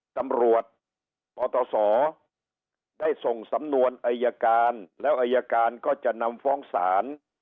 ตำรวจปตศได้ส่งสำนวนอายการแล้วอายการก็จะนำฟ้องศาล